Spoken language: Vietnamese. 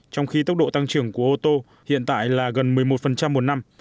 trong khi tốc độ tăng trưởng của ô tô hiện tại là gần một mươi một một năm